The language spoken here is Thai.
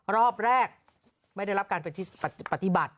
รอบแรกไม่ได้รับการปฏิบัติ